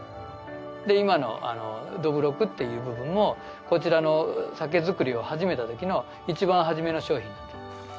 で今のどぶろくっていう部分もこちらの酒造りを始めたときのいちばん初めの商品なんです。